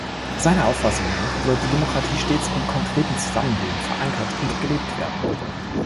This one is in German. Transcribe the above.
Seiner Auffassung nach sollte Demokratie stets im konkreten Zusammenleben verankert und gelebt werden.